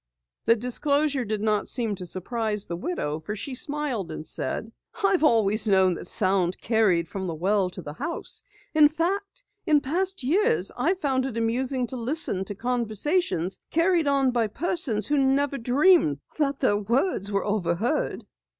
The disclosure did not seem to surprise the widow, for she smiled and said: "I've always known that sound carried from the well to the house. In fact, in past years I found it amusing to listen to conversations carried on by persons who never dreamed that their words were overheard."